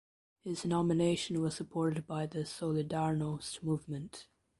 His nomination was supported by the Solidarnost movement.